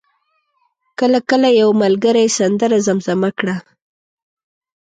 کله کله یو ملګری سندره زمزمه کړه.